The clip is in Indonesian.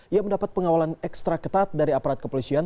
ia mendapat pengawalan ekstra ketat dari aparat kepolisian